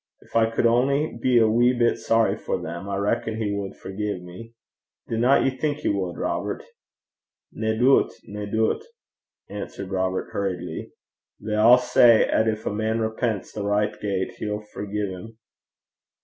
'Gin I could only be a wee bit sorry for them, I reckon he wad forgie me. Dinna ye think he wad, Robert?' 'Nae doobt, nae doobt,' answered Robert hurriedly. 'They a' say 'at gin a man repents the richt gait, he'll forgie him.'